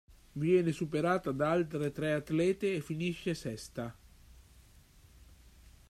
Viene superata da altre tre atlete e finisce sesta.